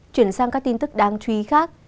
chuyển sang các tin tức đáng chú ý khác